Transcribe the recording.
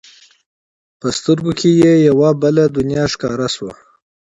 په سترګو کې یې یوه بله دنیا ښکاره شوه.